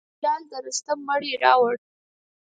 هلال د رستم مړی راووړ.